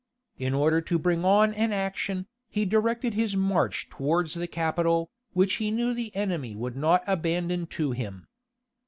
In order to bring on an action, he directed his march towards the capital, which he knew the enemy would not abandon to him.